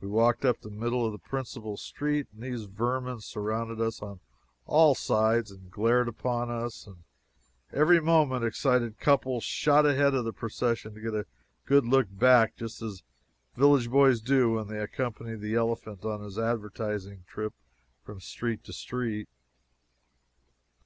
We walked up the middle of the principal street, and these vermin surrounded us on all sides and glared upon us; and every moment excited couples shot ahead of the procession to get a good look back, just as village boys do when they accompany the elephant on his advertising trip from street to street.